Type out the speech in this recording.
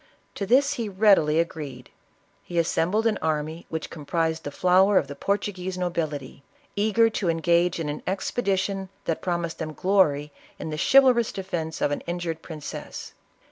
To this he readily agreed. He assembled an army which comprised the flower of the Portuguese nobility, eager to engage in an expedi tion that promised them glory in the chivalrous defence of an injured princess.